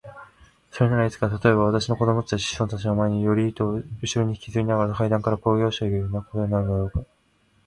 それならいつか、たとえば私の子供たちや子孫たちの前に、より糸をうしろにひきずりながら階段からころげ落ちていくようなことになるのだろうか。